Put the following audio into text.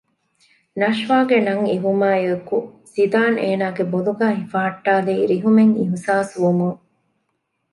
ނަޝްވާގެ ނަން އިވުމާއިއެކު ޒިދާން އޭނާގެ ބޮލުގައި ހިފަހައްޓާލީ ރިހުމެއް އިހުސާސްވުމުން